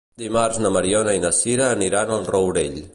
Dimarts na Mariona i na Sira aniran al Rourell.